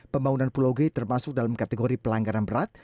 pembangunan pulau g termasuk dalam kategori pelanggaran berat